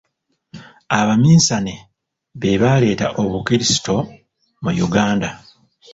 Abaminsane be baaleeta Obukrisito mu Uganda.